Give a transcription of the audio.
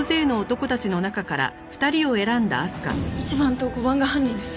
１番と５番が犯人です。